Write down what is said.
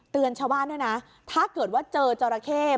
เตือนชะว่านด้วยนะถ้าเกิดว่าเจอจอรแคร่